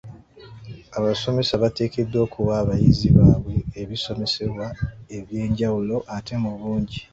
Abasomesa bateekeddwa okuwa abayizi baabwe ebisomesebwa eby'enjawulo ate mu bungi.